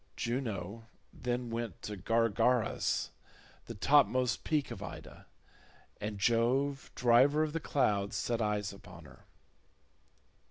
Juno then went to Gargarus, the topmost peak of Ida, and Jove, driver of the clouds, set eyes upon her.